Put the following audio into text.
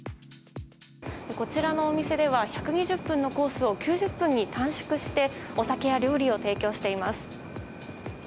こちらのお店では１２０分のコースを９０分に短縮してお酒や料理を提供しています。